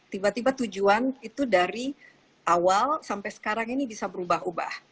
tiba tiba tujuan itu dari awal sampai sekarang ini bisa berubah ubah